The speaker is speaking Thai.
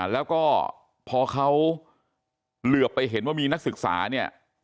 แล้วก็พอเขาเหลือไปเห็นว่ามีนักศึกษาเนี่ย